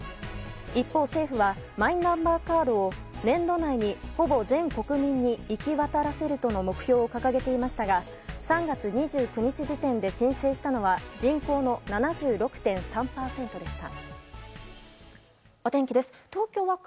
一方、政府はマイナンバーカードを年度内にほぼ全国民に行き渡らせるとの目標を掲げていましたが３月２９日時点で申請したのは人口の７６．３％でした。